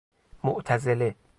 معتزله